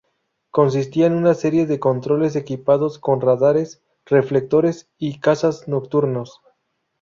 Consistía en una serie de controles equipados con radares, reflectores y cazas nocturnos.